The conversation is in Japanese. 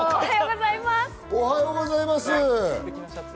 おはようございます。